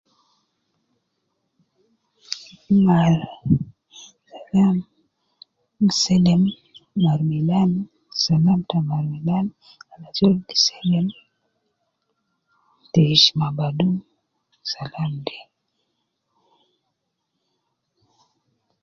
Ma salam ,selem mar milan, salam ta mar milan, kan ajol gi selem, te ishma badum ,salam de